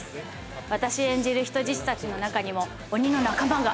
私演じる人質たちの中にも鬼の仲間が。